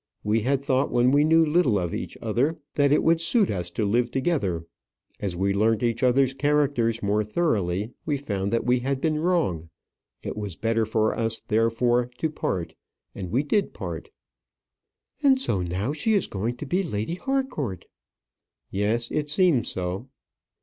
We had thought when we knew little of each other that it would suit us to live together. As we learnt each other's characters more thoroughly, we found that we had been wrong. It was better for us, therefore, to part; and we did part." "And so now she is going to be Lady Harcourt?" "Yes; it seems so."